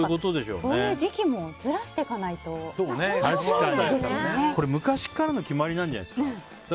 そういう時期もずらしていかないと昔からの決まりなんじゃないですか。